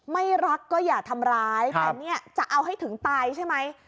ไม่รักก็อย่าทำร้ายแต่เนี่ยจะเอาให้ถึงตายใช่ไหม